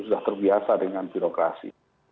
sudah terbiasa dengan birokrasi